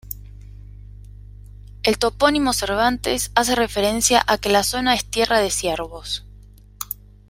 El topónimo Cervantes hace referencia a que la zona es tierra de ciervos.